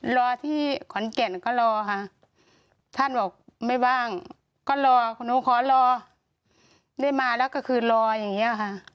รอที่ขอนแก่นก็รอค่ะท่านบอกไม่ว่างก็รอหนูขอรอได้มาแล้วก็คือรออย่างนี้ค่ะ